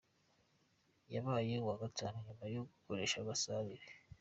yabaye uwa gatanu nyuma yo gukoresha amasaha abiri.